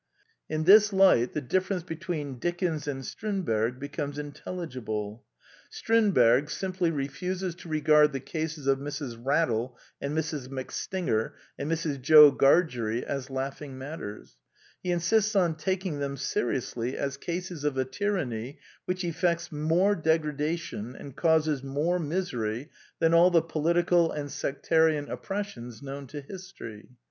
In this light the difference between Dickens and Strindberg becomes intelligible. Strindberg 204 The Quintessence of Ibsenism simply refuses to regard the cases of Mrs. Raddle and Mrs. Macstinger and Mrs. Jo Gargery as laughing matters. He insists on taking them seriously as cases of a tyranny which effects more degradation and causes more misery than all the political and sectarian oppressions known to his tory.